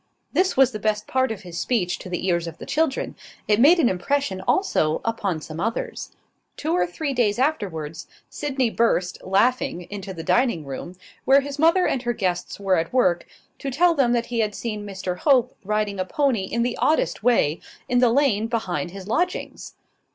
This was the best part of his speech to the ears of the children; it made an impression also upon some others. Two or three days afterwards, Sydney burst, laughing, into the dining room, where his mother and her guests were at work, to tell them that he had seen Mr Hope riding a pony in the oddest way, in the lane behind his lodgings.